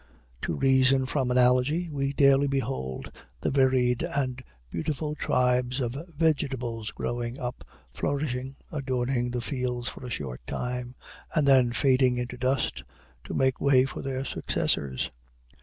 To reason from analogy, we daily behold the varied and beautiful tribes of vegetables springing up, flourishing, adorning the fields for a short time, and then fading into dust, to make way for their successors.